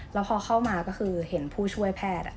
แล้วพอเข้ามาก็คือเห็นผู้ช่วยแพทย์